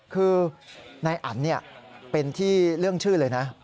คือนายอันเป็นที่เรื่องชื่อเลยนะ